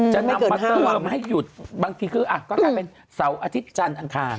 จะนำมาเพิ่มให้หยุดบางทีก็กลายเป็นเสาอาทิตย์อังคาร